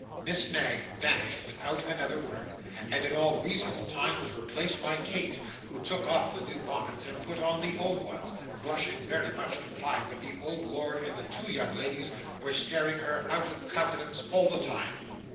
Miss Knag vanished without another word, and in all reasonable time was replaced by Kate, who took off the new bonnets and put on the old ones: blushing very much to find that the old lord and the two young ladies were staring her out of countenance all the time.